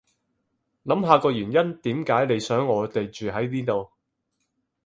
諗下個原因點解你想我哋住喺呢度